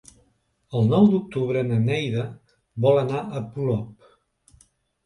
El nou d'octubre na Neida vol anar a Polop.